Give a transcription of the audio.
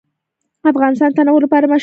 افغانستان د تنوع لپاره مشهور دی.